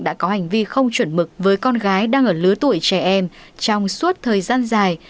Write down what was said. đã có hành vi không chuẩn mực với con gái đang ở lứa tuổi trẻ em trong suốt thời gian dài